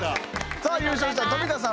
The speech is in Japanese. さあ優勝した富田さん